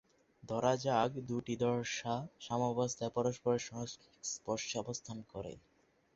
ধরা যাক দুটি দশা সাম্যাবস্থায় পরস্পরের সংস্পর্শে অবস্থান করে।